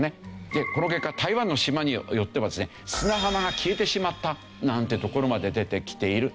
でこの結果台湾の島によってはですね砂浜が消えてしまったなんて所まで出てきている。